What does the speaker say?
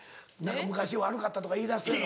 昔悪かったとか言い出すやろ。